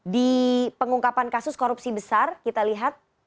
di pengungkapan kasus korupsi besar kita lihat